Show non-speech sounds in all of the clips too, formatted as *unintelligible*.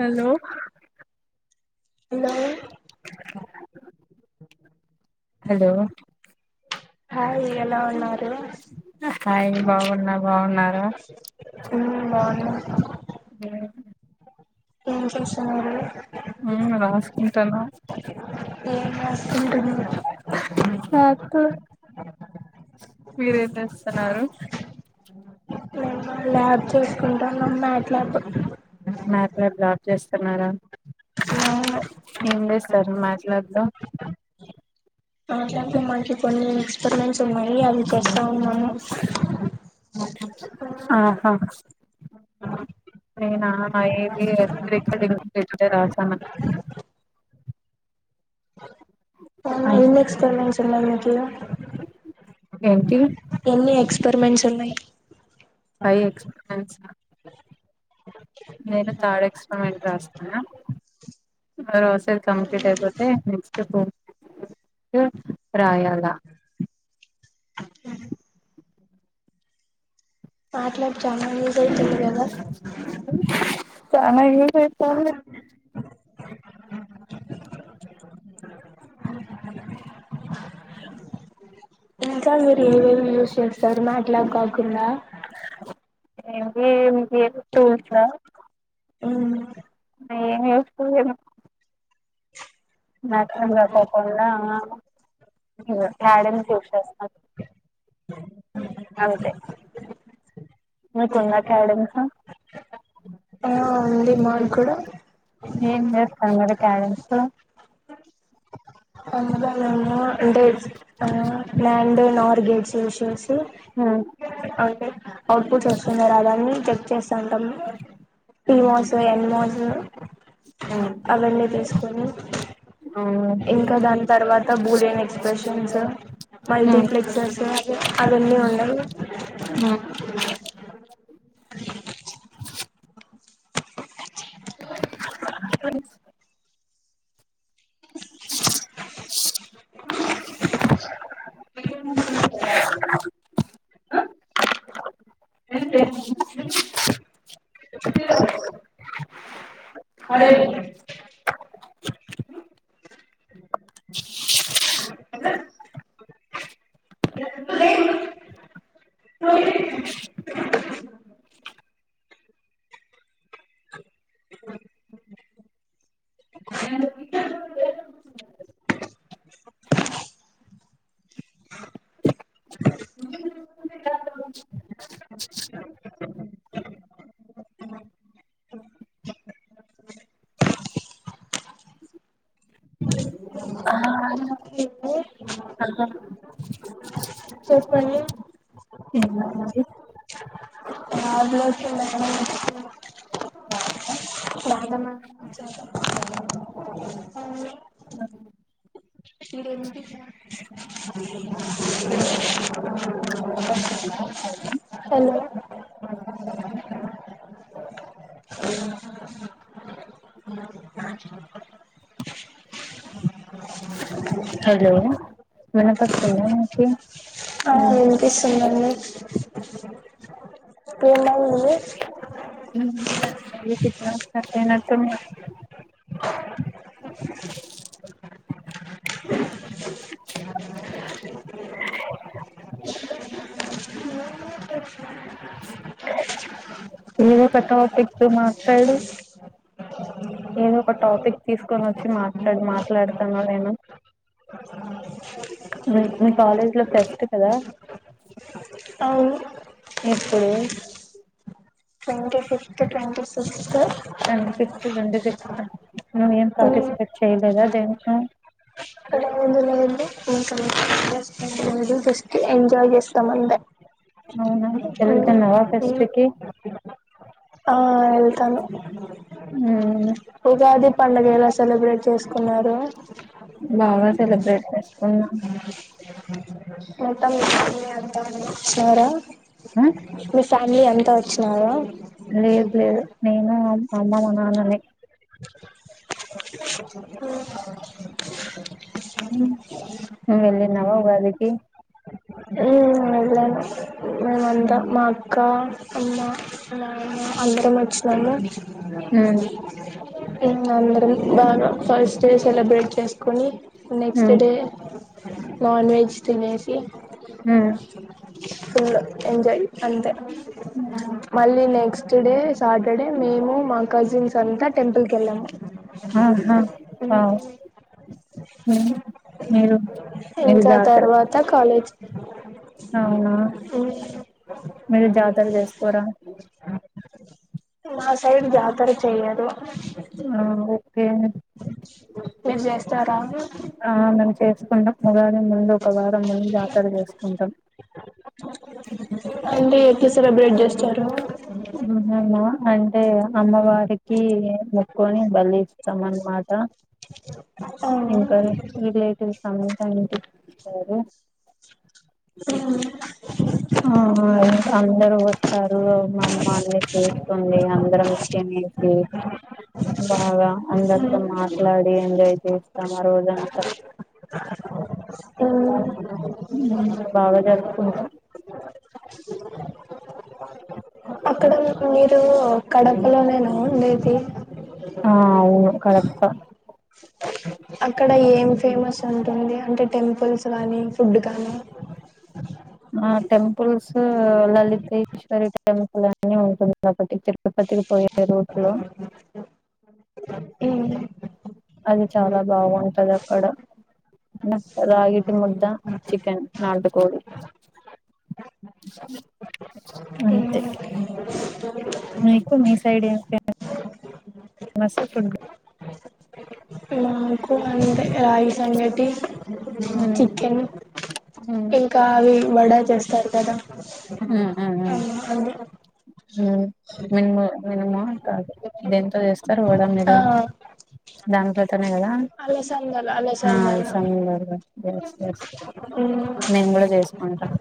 Hello hello hello hi ఎలా ఉన్నారు hi బాగున్న బాగున్నార మ్మ్ బాగున్నా *unintelligible* ఏం చేస్తున్నారు అ రాసుకుంటాన ఏం రాసుకుంటున్నారు రాసుకో మీరేం చేస్తున్నారు నేను ల్యాబ్ చేసుకుంటన్నా మ్యాట్ లాక్ మ్యాట్లాబ్ జాబ్ చేస్తున్నారా ఏం చేస్తారు మ్యాట్ లాక్ తో మ్యాట్లాక్ మంచిది కొంచెం ఎక్స్పరిమెంట్స్ ఉన్నాయి అది చేస్తా ఉన్నాను ఆహా నేన ఏది క్రిటికల్ ఉంటే రాశాను ఏం ఎక్స్పెరిమెంట్స్ ఉన్నాయి మీకీ ఏంటి ఎన్ని ఎక్స్పెరిమెంట్స్ ఉన్నాయి ఫై ఎక్స్పీరియన్స్ నేను థాడ్ ఎక్స్పరిమెంట్ రాస్తాను ఆ సెట్లా కంప్లీట్ అయిపోతే నెక్స్ట్ పో ప్రయాల అ మాట్లాడ్చామా నజ తెలిగదా చానా యూస్ అయ్యతుంది సార్ మీరు ఏవేమి యూస్ చేస్తారు మాట్లాడు కాకుండా ఎ బబి టూల్స్ మ్మ్ ఆ ఏమి యూస్ ఫుల్ *unintelligible* క్యాడన్ శిక్షాస్తం అంతే మీకుందా క్యాడమ్స్ ఆ ఉంది మాకు కూడా ఏం చేస్తాను మరి క్యారెంస్ అన్నదన్న అంటే *unintelligible* లో తే అవుట్పుట్స్ వస్తుందా రాదా అని చెక్ చేస్తాంటం. పీమోసు ఎన్మోసు అవన్నీ తీసుకొని ఇంకా దాని తర్వాత బూలెన్ ఎక్స్ప్రెషన్స్ మల్టీ ప్లిక్సెసు యా ఆ రెండే ఉన్నాయి *inaudible* *inaudible* *inaudible* *unintelligible* *unintelligible* *inaudible* ఆ హలో రేపు చెప్పండి పడుతుంది *unintelligible* *unintelligible* నీరేం దిసిన్య హలో హలో విపిస్తందా నీకి వినిపిస్తందండి ఏమైయింది ఉ ఆ వినిపిస్తుందా స్ట్రక్ అయినటుందిగా *inaudible* ఏదో పెట్టవ పెట్టు మట్లాడు ఏదో ఒక టాపిక్ తీసుకొనివొచ్చి మాట్లా మాట్లాడతన్నా నేను రేప్ మీ కాలేజ్ లో ఫెస్ట్ కదా అవును ఎప్పుడు హలో సిస్టర్ ట్ంటీ సిక్స్ *unintelligible* నువేం లేదు పార్టిసిపేట్ చేయలేదా దేంట్లో. *unintelligible* లేదు జస్ట్ ఎంజాయ్ చేస్తాం అంతే అవునా వెళ్తున్నావా ఫెస్ట్ కి ఆ ఇంకా మ్మ్ ఉగాది పండుగ ఎలా సెలబ్రేట్ చేసుకున్నారు బాగా సెలబ్రేట్ చేసుకున్నాం మొత్తం మీ ఫ్యామిలీ అంత వచ్చినరా ఆ మీ ఫ్యామిలీ అంత వచ్చినారా లేదు లేదు నేను మా అమ్ మా అమ్మ మా నాన్ననే ఉ నువ్ వెళ్లినవా ఉగాది కి ఉ వెళ్ళాను మేమంతా మా మ్మ్ అక్కా అమ్మా నాన్న అందరమూ వచ్చినాము ఏమ్ కాదులే బాగా ఫస్ట్ స్టేషన్లో బెట్ యేసుకొని నెక్స్ట్ మ్మ్ డే నాన్ వెజ్ తినేసి మ్మ్ ఫుల్ ఎంజాయ్ అంతే మళ్ళీ నెక్స్ట్ డే సాటర్డే మేము మా కజిన్స్ అంతా టెంపుల్ కి వెళ్ళాము. ఆహా ఆ ము మీరు మీరు ఇంకా జాతర తర్వాత కాలేజ్ అవునా మీరు జాతర చేసుకోరా మా సైడ్ జాతర చేయ్యారు ఆ ఓకే మీర్ చేస్తారా ఆ మేము చేసుకుంటాం ఉగాది ముందు ఒక వారం ముందు జాతర చేసుకుంటాం అంటే ఎట్కి సెలబ్రేట్ చేస్తారు ఉ అంటే అమ్మవారికి మొక్కుకుని బలి ఇస్తాం అనమాట ఇంకా రిలేటివ్స్ అంత ఇంటికీవాస్తారు ఉమ్ ఆ అందరు వస్తారు మామ్మల్ని చేసుకోని అందరం తినేసి బాగా అందరితో మాట్లాడి ఎంజాయ్ చేస్తాం ఆ రోజంతా *inaudible* బాగా జరుపుకుంటం అ అక్కడ మీరు కడపలోనేైనా ఉండేది ఆ అవును కరెక్ట్ అక్కడ ఏం ఫేమస్ ఉంటుంది అంటే టెంపుల్స్ కాగానీ ఫుడ్ కానీ ఆ టెంపుల్స్ లలితేశ్వరి టెంపుల్ అని ఉంటుంది ఒకటి తిరుపపతికి పోయే రూట్లో ఉమ్ అది చాలా బాగుంటది అక్కడ రగిటి ముద్ద చికెన్ నాడు కోడి అంతే మ్మ్ మీకు మీ సైడి ఏం ఫామ్ మసు ఫుడ్ మాకు అంతే రాగి సంగటి చికెన్ ఇంకా అవి వడా చేస్తారు కదా అ మ్ మినిమో మెనూమ్ కాదు దేంతో చేస్తారు వడ ఆ మీరు దానపథనగాస అలసందలు అలసందలు ఎస్ ఎస్ మ్మ్ మేము కూడా చేసుకుంటాం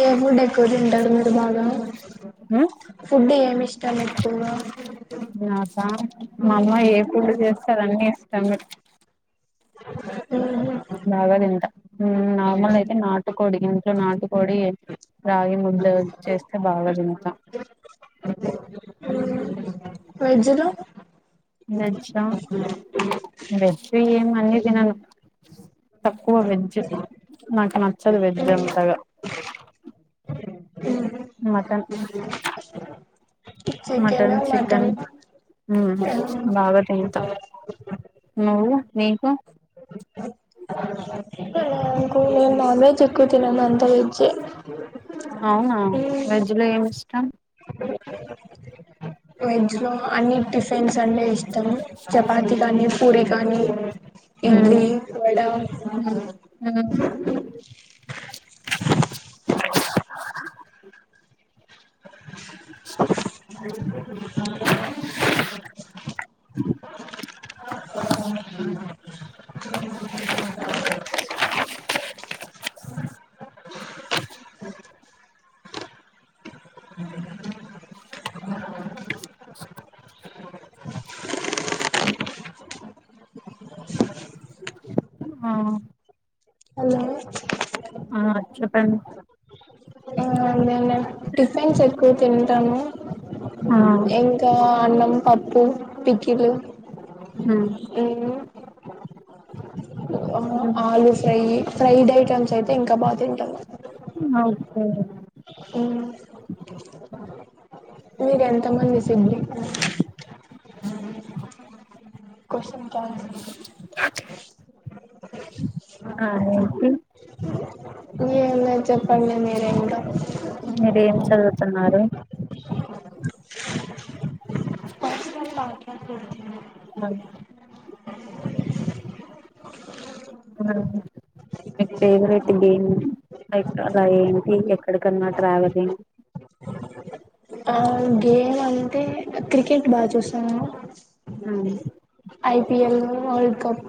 ఏ ఫుడ్ ఎక్కువ తింటారు మీరు బాగా ఫుడ్ ఏమి ఇష్టం ఏకువగా నాకా మా అమ్మ ఏ ఫుడ్ చేస్తే అదన్నీ ఇష్టమే ఉ బాగా తింటా నార్మల్ అయితే నాటు కొడి ఇంట్లో నాటి కొడి రాగి ముద్ద చేస్తే బాగా తింటా *unintelligible* వెజ్ లో వెజ్ ఆ వెజ్ ఏమి అన్నీ తిన్నాను తక్కువ వెజ్జ్ నాకు నచ్చదు వెజ్ అంతగా మటన్ చికెన్ మటన్ చికెన్ మ్ మటన్ బాగా తింటాం నువ్వు నీకు *inaudible* నాకు నేను నాన్ వెజ్ ఎక్కువ తినను అంత వెజ్జే అవునా వెజ్ లో ఏమి టం వెజ్ లో అన్ని టిఫిన్స్ న్నే ఇష్టం చపాతి కానీ ఫురి కానీ ఉమ్ ఇడ్లీ వడ *unintelligible* *unintelligible* *unintelligible* *inaudible* ఆ హలో ఆ చెప్పండి ఆ అదేం టిఫిన్స్ ఎక్కువ తింటాను ఆ ఇంకా అన్నం పప్పు పికిలు ఉమ్ ఆలుూ ఫ్రై ఫ్రైడ్ ఐటమ్స్ అయితే ఇంకా బాగా తింటాను ఓకే అ మీరు ఎంతమంది సిబ్లింగు *inaudible* క్వశ్చన్ కి అల్సర్ ఇవ్వు ఆఏంటి ఏంలే చెప్పండి మీరే ఇంకా మీరు ఏం చదువుతున్నారు పాటల్ పెడుతున్నారు అ *inaudible* ఆ మీ ఫేవరెట్ గేమ్ ఎక్క ఏంటి ఎక్కడికన్నా ట్రావెలింగ్ *inaudible* ఆ గేమ్ అంటే క్రికెట్ బాగా చూసాము ఐపిఎల్ వరల్డ్ కప్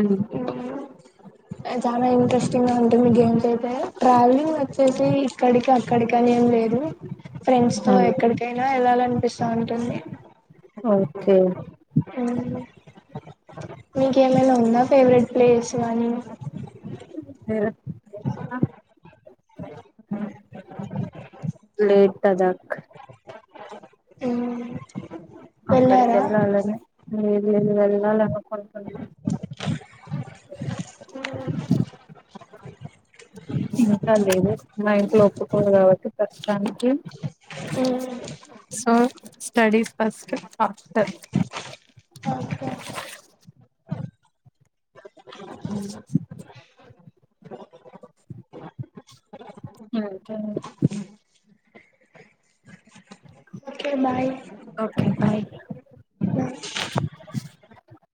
ఉమ్ *inaudible* చాలా ఇంట్రెస్టింగ్ ఉంటుంది గేమ్స్ లైతే ట్రావెలింగ్ వచ్చేసి ఇక్కడికి అక్కడికి అని ఏంలేదు ఫ్రెండ్స్ తో ఎక్కడికైనా వెళ్ళాలనిపిస్తా ఉంటుంది ఓకే మీకేమైనా ఉందా ఫేవరెట్ ప్లేస్ అనీ లేట్ తదాక్ మ్మ్. అక్కడికి వెళ్ళారా యెళ్ళాలని లేదులేదు వెళ్ళాలనుకుంటున్నా ఇంకా లేదు మా ఇంట్లో ఒప్పుకోరు కాబట్టి ప్రస్తుతానికి మ్మ్. So studies first after okay ఉమ్ అకే *unintelligible* ఓకే బాయ్ ఓకే బాయ్